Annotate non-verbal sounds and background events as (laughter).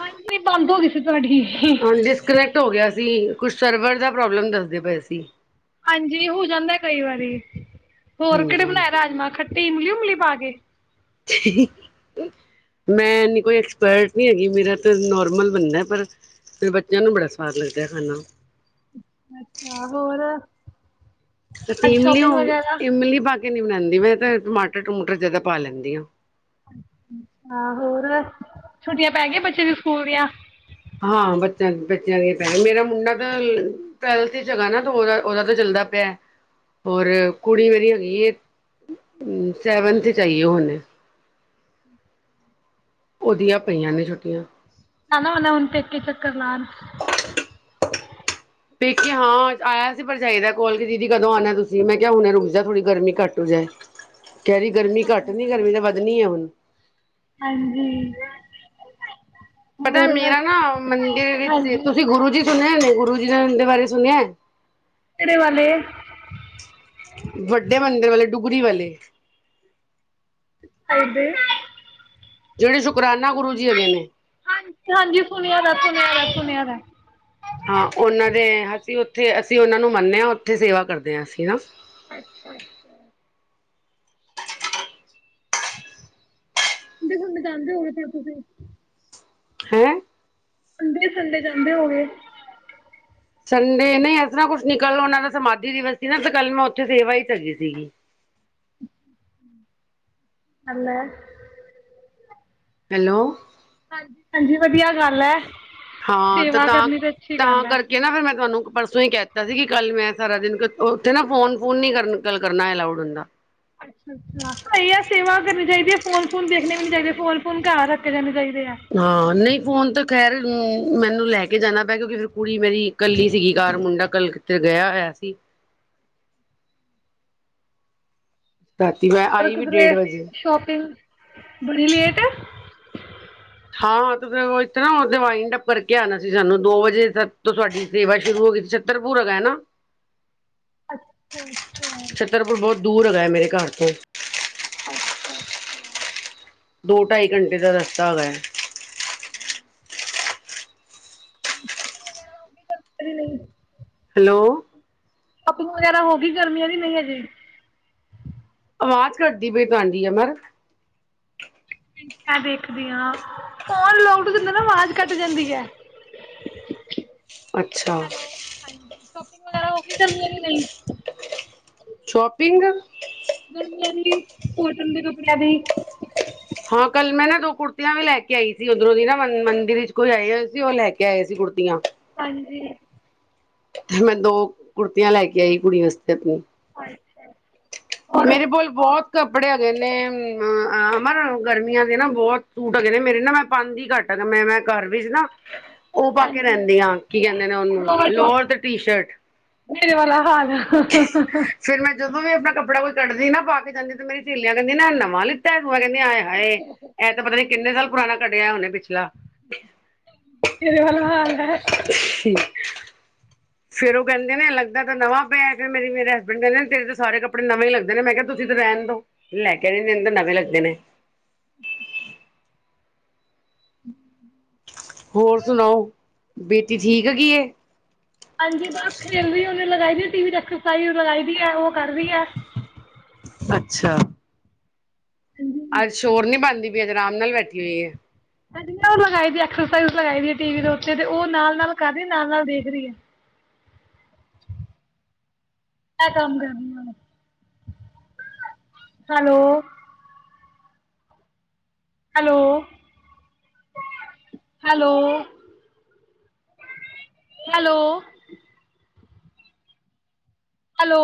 ਹਾਂਜੀ ਬੰਦ ਹੋ ਗਈ ਸੀ। ਤੁਹਾਡੀ ਹਾਂ ਡਿਸਕਨੈਕਟ ਹੋ ਗਿਆ ਸੀ। ਕੁਛ ਸਰਵਰ ਦਾ ਪ੍ਰੋਬਲਮ ਦੱਸਦੇ ਪਏ ਸੀ। ਹਾਂਜੀ ਹੋ ਜਾਂਦਾ ਐ ਕਈ ਵਾਰੀ। ਹੋਰ ਕਿਹੜੇ ਹਾਂਜੀ ਹਾਂਜੀ ਬਣਾਏ ਰਾਜਮਾਹ ਖੱ ਤੇ ਇਮਲੀ ਉਮਲੀ ਪਾਕੇ। ਮੈਂ ਇਨੀ ਕੋਈ ਐਕਸਪਰਟ ਨਹੀਂ ਹੈਗੀ, ਮੇਰਾ ਤਾਂ ਨੋਰਮਲ ਬਣਦਾ ਪਰ (unintelligible) ਬੱਚਿਆਂ ਨੂੰ ਬੜਾ ਸਵਾਦ ਲੱਗਦਾ ਹੈ ਖਾਣਾ। ਅੱਛਾ ਹੋਰ। ਤੁਸੀਂ ਅੱਜ ਇਮਲੀ ਸ਼ੋਪਿੰਗ ਉਮ ਵਗੈਰਾ ਇਮਲੀ ਪਾ ਕੇ ਨੀ ਬਨਾਨ ਜਿਵੇਂ ਤੇ ਟਮਾਟਰ ਟਮੂਟਰ ਜਿਆਦਾ ਪਾ ਲੈਂਦੀ ਆਂ। ਹਾਂ ਹੋਰ ਛੁੱਟੀਆਂ ਪੈ ਗਈਆਂ ਬੱਚੇ ਦੀ ਸਕੂਲ ਦੀਆਂ। ਹਾਂ ਬੱਚਿਆਂ ਦੀ, ਬੱਚਿਆਂ ਦੀ ਪੈ, ਮੇਰਾ ਮੁੰਡਾ ਤਾਂ ਟਵੇਲੱਥ ਚ ਹੈਗਾ ਨਾ, ਉਹਦਾ ਓਦਾ ਤਾਂ ਚੱਲਦਾ ਪਿਆ, ਹੋਰ ਕੁੜੀ ਮੇਰੀ ਹੈਗੀ ਐ ਸੈਵਨਥ ਚ ਆਈ ਏ ਹੁਣ। ਉਹਦੀਆ ਪਈਆਂ ਨੇ ਛੁੱਟੀਆਂ। ਆਨਾ ਹੋਨਾ ਹੁਣ ਪੇਕੇ ਚੱਕਰ ਲਾਨ (inaudible) ਪੇਕੇ ਹਾਂ ਆਇਆ ਸੀ ਪਰਜਾਈ ਦਾ ਕੋਲ ਕੇ ਦੀਦੀ ਕਦੋਂ ਆਣਾ ਤੁਸੀਂ? ਮੈਂ ਕਿਹਾ ਹੁਣੇ ਰੁਕ ਜਾ ਥੋੜ੍ਹੀ ਗਰਮੀ ਘੱਟ ਹੋ ਜਾਏ। ਕਹਿ ਰਹੀ ਗਰਮੀ ਘੱਟ ਨੀ ਗਰਮੀ ਤਾਂ ਵੱਧਣੀ ਐ ਹੁਣ। ਹਾਂਜੀ ਪਤਾ ਹੋਰ ਮੇਰਾ ਨਾ ਮੰਦਿਰ ਵਿੱਚ ਸੀ ਹਾਂਜੀ ਤੁਸੀਂ ਗੁਰੂ ਜੀ ਸੁਣਿਆ ਨੇ ਗੁਰੂ (unintelligible) ਦੇ ਬਾਰੇ ਸੁਣਿਆ? ਕਿਹੜੇ ਵਾਲੇ? ਵੱਡੇ ਮੰਦਿਰ ਵਾਲੇ ਡੁਗਰੀ ਵਾਲੇ। (unintelligible) ਜਿਹੜੇ ਸ਼ੁਕਰਾਨ ਹਾਂ, ਹਾਂਜੀ ਸੁਣਿਆ ਦਾ, ਸੁਣਿਆ ਦਾ, ਸੁਣਿਆ ਦਾ ਐ। ਹਾਂ ਉਹਨਾਂ ਦੇ ਅਸੀਂ ਉੱਥੇ ਅਸੀਂ ਉਹਨਾਂ ਨੂੰ ਮੰਨਨੇ ਹਾਂ, ਉੱਥੇ ਸੇਵਾ ਕਰਦੇ ਹਾਂ ਅਸੀਂ ਨਾ। ਅੱਛਾ, ਅੱਛਾ। (unintelligible) ਹੋਗੇ ਫਿਰ ਤੁਸੀ। ਹੈਂ? ਅੰਡੇ ਸੰਡੇ ਜਾਂਦੇ ਹੋਗੇ। ਸੰਡੇ ਨਹੀਂ ਐਸ ਤਰ੍ਹਾਂ ਕੁਛ ਨੀ, ਕੱਲ ਉਹਨਾਂ ਦਾ ਸਮਾਧੀ ਦਿਵਸ ਸੀ ਨਾ ਤੇ ਕੱਲ ਮੈਂ ਉੱਥੇ ਸੇਵਾ ਹੀ ਕਰੀ ਸੀਗੀ। ਹੱਲ ਐ। ਹੈਲੋ। ਹਾਂਜੀ, ਹਾਂਜੀ ਵਧੀਆ ਗੱਲ ਐ। ਹਾਂ ਤੇ ਤਾਂ ਤਾਂ ਹੈ। ਕਰਕੇ ਨਾ ਫੇਰ ਮੈਂ ਤੁਹਾਨੂੰ ਪਰਸ ਓਥੋਂ ਹੀ ਕਹਿਤਾ ਸੀ ਕਿ ਕੱਲ ਮੈਂ ਸਾਰਾ ਦਿਨ ਉੱਥੇ ਨਾ ਫੋਨ ਫੂਨ ਨੀ ਕਰਨਾ ਗੱਲ ਕਰਨਾ ਅਲਾਊਡ ਹੁੰਦਾ। ਅੱਛਾ ਅੱਛਾ, ਸਹੀ ਐ ਸੇਵਾ ਕਰਨੀ ਚਾਹੀਦੀ ਐ, ਫੋਨ ਫੂਨ ਦੇਖਣੇ ਵੀ ਨੀ ਚਾਹੀਦੇ, ਫੋਨ ਫੂਨ ਘਰ ਰੱਖ ਕੇ ਜਾਣੇ ਚਾਹੀਦੇ। ਆ। ਹਾਂ ਨਹੀਂ ਫੋਨ ਤੇ ਖੈਰ ਆਂ ਮੈਨੂੰ ਲੈ ਕੇ ਜਾਣਾ ਪਿਆ ਕਿਉਂਕਿ ਫਿਰ ਕੁੜੀ ਮੇਰੀ ਕੱਲੀ ਸੀਗੀ ਘਾਰ ਮੁੰਡਾ ਕੱਲਕੱਤੇ ਗਿਆ ਹੋਇਆ ਸੀ। ਰਾਤੀ ਮੈਂ ਪਰ ਆਈ ਵੀ ਕਿਧਰੇ ਡੇਢ ਵਜੇ। ਸ਼ੋਪਿੰਗ ਬੜੀ ਲੇਟ (inaudible) ਹਾਂ ਤੁ ਇੱਥੇ ਨਾ ਦਿਵਾਈ ਟੱਪਰ ਕੇ ਆਉਣਾ ਸੀ ਸਾਨੂੰ ਦੋ ਵਜੇ ਤੋਂ ਸਾਡੀ ਸੇਵਾ ਸ਼ੁਰੂ ਹੋ ਗਈ ਸੀ ਛੱਤਰਪੁਰ ਹੈਗਾ ਨਾ। ਅੱਛਾ -ਅੱਛਾ ਛਤਰਪੁਰ ਬਹੁਤ ਦੂਰ ਹੈਗਾ ਮੇਰੇ (inaudible) ਘਰ ਤੋਂ ਅੱਛਾ -ਅੱਛਾ ਦੋ ਢਾਈ ਘੰਟੇ ਦਾ ਰਸਤਾ ਹੈਗਾ ਹੈ। (inaudible) (inaudible) ਨਹੀਂ ਹੈਲੋ ਸ਼ੋਪਿੰਗ ਵਗੈਰਾ ਹੋ ਗਈ ਗਰਮੀਆਂ ਦੀ ਨਹੀਂ ਹਜੇ ਆਵਾਜ਼ ਘੱਟਦੀ ਪਈ ਤੁਹਾਡੀ ਅਮਰ ਮੈਂ ਦੇਖਦੀ ਹਾਂ ਫੋਨ (unintelligible) ਆਵਾਜ਼ ਕੱਟ ਜਾਂਦੀ ਹੈ ਅੱਛਾ ਹੈਲੋ ਹਾਂਜੀ (inaudible) ਵੈ ਉਹ ਵੀ ਕਰਨ ਦੀ ਹੈ ਵੀ ਨਹੀਂ। ਸ਼ੋਪਿੰਗ ਗਰਮੀਆਂ ਦੀ ਕੋਟਨ ਦੇ ਕੱਪੜਿਆਂ ਦੀ ਹਾਂ ਕੱਲ ਮੈਂ ਨਾ ਦੋ ਕੁੜਤੀਆਂ ਵੀ ਲੈ ਕੇ ਆਈ ਸੀ ਉਧਰੋਂ ਦੀ ਨਾ ਮੰਦਿਰ ਵਿੱਚ ਕੋਈ ਆਏ ਹੋਏ ਸੀ ਉਹ ਲੈ ਕੇ ਆਏ ਸੀ ਕੁੜਤੀਆਂ ਹਾਂਜੀ ਤੇ ਮੈਂ ਦੋ ਕੁੜਤੀਆਂ ਲੈ ਕੇ ਆਈ ਕੁੜੀ ਵਾਸਤੇ ਆਪਣੀ (inaudible) ਔਰ ਮੇਰੇ ਕੋਲ ਬਹੁਤ ਕੱਪੜੇ ਕਹਿੰਦੇ ਅਮਰ ਗਰਮੀਆਂ ਦੇ ਨਾ ਬਹੁਤ ਸੂਟ ਹੈਗੇ ਨੇ ਮੇਰੇ ਨਾ ਮੈਂ ਪਾਂਦੀ ਘੱਟ ਮੈਂ -ਮੈਂ ਘਰ ਵਿਚ ਨਾ ਉਹ ਪਾ ਕੇ ਰਹਿੰਦੀ ਹਾਂ ਕੀ ਕਹਿੰਦੇ ਨੇ ਉਹਨੂੰ ਲੋਰ ਤੇ ਟੀ ਸ਼ਰਟ। ਮੇਰੇ ਵਾਲਾ ਹਾਲ ਆ ਫਿਰ ਮੈਂ (inaudible) ਜਦੋਂ ਵੀ ਆਪਣਾ ਕੱਪੜਾ ਕੋਈ ਕੱਢਦੀ ਨਾ ਪਾ ਕੇ ਜਾਂਦੀ ਤੇ ਮੇਰੀ ਸੇਲੀਆਂ ਕਹਿੰਦੀ ਨਾ ਨਵਾਂ ਲਿੱਤਾ। ਭੂਆ ਕਹਿੰਦੇ ਆ ਹਾਏ ਇਹ ਤਾਂ ਪਤਾ ਨੀ ਕਿੰਨੇ ਸਾਲ ਪੁਰਾਣਾ ਕੱਢਿਆ ਹੁਣੇ ਪਿ (inaudible) ਮੇਰੇ ਵਾਲਾ ਹਾਲ ਏ। ਫੇਰ ਉਹ ਕਹਿੰਦੇ ਨੇ ਲੱਗਦਾ ਤਾਂ ਨਵਾਂ ਪਿਆ ਫਿਰ ਮੇ ਮੇਰੇ ਹਸਬੈਂਡ ਕਹਿੰਦੇ ਨੇ ਤੇਰੇ ਸਾਰੇ ਕੱਪੜੇ ਨਵੇਂ ਹੀ ਲੱਗਦੇ ਨੇ ਮੈਂ ਕਿਹਾ ਤੁਸੀਂ ਤੇ ਰਹਿਣ ਦੋ। ਲੈ ਕੇ ਨਹੀਂ ਦਿੰਦੇ ਨਵੇਂ ਲੱਗਦੇ ਨੇ। (inaudible) ਹੂੰ ਬੀ ਇਹ ਠੀਕ ਹੈਗੀ ਏ। ਹਾਂਜੀ ਬਸ ਖੇਲ ਵੀ ਉਹਨੇ ਲਗਾਈ ਦੀ ਟੀਵੀ ਤੇ ਐਕਸਰਸਾਈਜ਼ ਲਗਾਈ ਦੀ ਹੈ ਉਹ ਕਰ ਰਹੀ ਹੈ। ਅੱਛਾ। ਹਾਂਜੀ ਅੱਜ ਸ਼ੋਰ ਨੀ ਪਾਂਦੀ ਪਈ, ਅੱਜ ਆਰਾਮ ਨਾਲ ਬੈਠੀ ਹੋਈ ਏ। ਹਜੇ ਨਾ ਊ ਲਗਾਈ ਦੀ ਐਕਸਰਸਾਈਜ਼ ਲਗਾਈ ਦੀ ਟੀਵੀ ਦੇ ਉਤੇ ਉਹ ਨਾਲ ਨਾਲ ਕਰ ਰੀ ਨਾਲ ਨਾਲ ਦੇਖ ਰਹੀ ਏ ਮੈਂ ਕੰਮ ਕਰ ਰਹੀ ਆਂ। Hello hello, hello. Hello hello